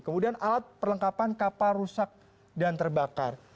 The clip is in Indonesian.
kemudian alat perlengkapan kapal rusak dan terbakar